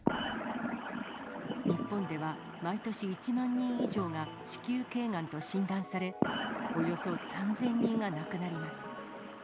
日本では、毎年１万人以上が、子宮けいがんと診断され、およそ３０００人が亡くなります。